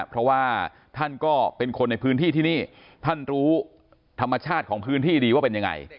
เพราะว่าท่านก็เป็นคนในพื้นที่ที่นี่ท่านรู้ธรรมชาติของพื้นที่ดีว่าเป็นยังไง